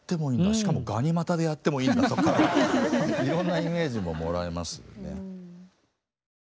しかもがに股でやってもいいんだ」とかいろんなイメージももらえますよね。